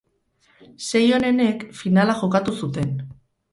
Sei onenek finala jokatu zuten.